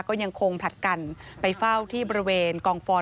ก็ยังคงผลัดกันไปเฝ้าที่บริเวณกองฟอน